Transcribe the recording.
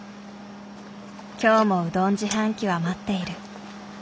今日もうどん自販機は待っている。